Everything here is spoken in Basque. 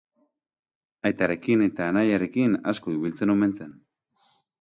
Aitarekin eta anaiarekin asko ibiltzen omen zen.